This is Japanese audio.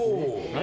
何？